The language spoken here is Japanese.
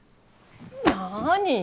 なに！